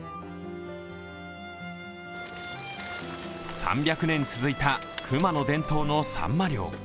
３００年続いた熊野伝統のさんま漁。